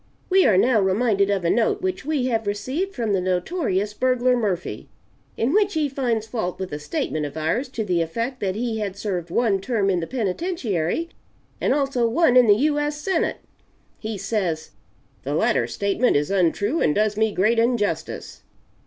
We are now reminded of a note which we have received from the notorious burglar Murphy, in which he finds fault with a statement of ours to the effect that he had served one term in the penitentiary and also one in the U. S. Senate. He says, 'The latter statement is untrue and does me great injustice.'